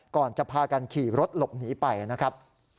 ก่อนจะพากันขี่รถหลบหนีไปนะครับ